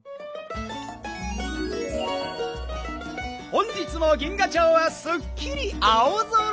本日も銀河町はすっきり青空！